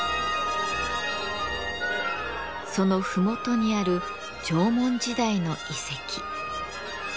その麓にある縄文時代の遺跡。